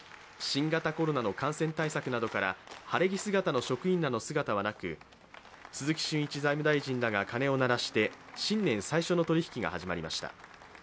新型コロナの感染対策などから晴れ着姿の職員らの姿はなく鈴木俊一財務大臣らが鐘を鳴らして新年最初の取り引きが始まりました。